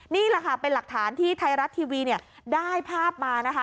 นี่แหละค่ะเป็นหลักฐานที่ไทยรัฐทีวีเนี่ยได้ภาพมานะคะ